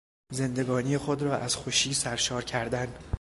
زندگانی خود را از خوشی سرشار کردن